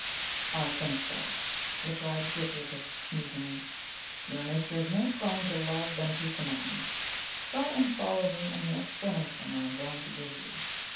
"I think so," replied Heliobas musingly. "Your nature is more prone to love than to command. Try and follow me in the explanation I am going to give you.